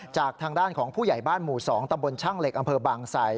จากทางด้านของผู้ใหญ่บ้านหมู่๒ตำบลช่างเหล็กอำเภอบางไส